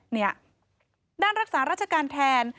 เนี่ยด้านรักษาราชการแทน